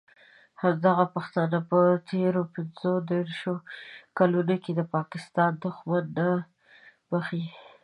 همدغه پښتانه په تېرو پینځه دیرشو کالونو کې د پاکستان دښمني نه بښي.